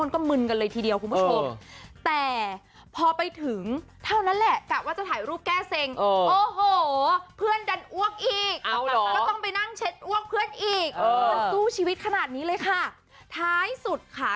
ก็มึนกันเลยทีเดียวคุณผู้ชมแต่พอไปถึงเท่านั้นแหละกะว่าจะถ่ายรูปแก้เซ็งโอ้โหเพื่อนดันอ้วกอีกก็ต้องไปนั่งเช็ดอ้วกเพื่อนอีกมันสู้ชีวิตขนาดนี้เลยค่ะท้ายสุดค่ะ